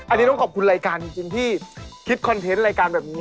อันนี้ต้องขอบคุณรายการจริงที่คิดคอนเทนต์รายการแบบนี้